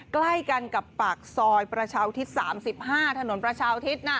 ใกล้กันกับปากซอยประชาวอาทิตย์๓๕ถนนประชาวอาทิตย์น่ะ